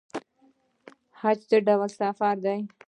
حج څه ډول سفر دی؟